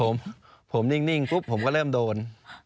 ผมนิ่งปุ๊บผมก็เริ่มโดน